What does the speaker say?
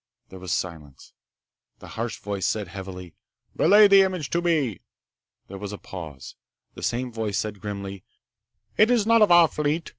There was silence. The harsh voice said heavily, "Relay the image to me." There was a pause. The same voice said grimly: "It is not of our fleet.